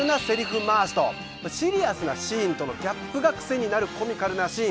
シリアスなシーンとのギャップがクセになるコミカルなシーン。